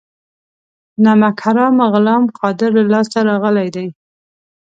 نمک حرامه غلام قادر له لاسه راغلي دي.